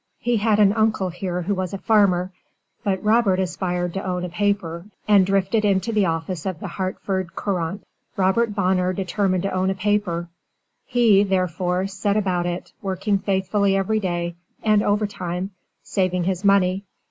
He had an uncle here who was a farmer, but Robert aspired to own a paper, and drifted into the office of the Hartford Courant. Robert Bonner determined to own a paper; he, therefore, set about it, working faithfully every day, and overtime, saving his money.